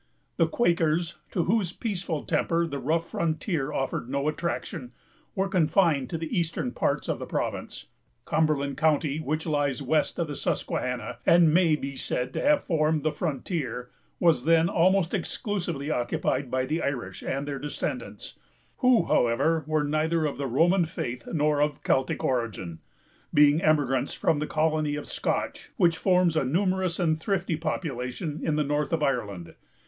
The Quakers, to whose peaceful temper the rough frontier offered no attraction, were confined to the eastern parts of the province. Cumberland County, which lies west of the Susquehanna, and may be said to have formed the frontier, was then almost exclusively occupied by the Irish and their descendants; who, however, were neither of the Roman faith nor of Celtic origin, being emigrants from the colony of Scotch which forms a numerous and thrifty population in the north of Ireland.